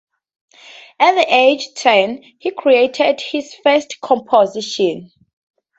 At age ten, he created his first composition.